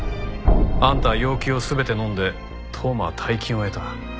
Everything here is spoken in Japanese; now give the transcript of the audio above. あんたは要求を全てのんで当麻は大金を得た。